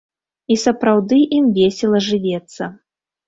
І сапраўды ім весела жывецца.